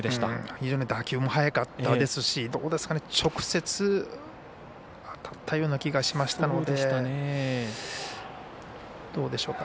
非常に打球も速かったですし直接、当たったような気がしましたので。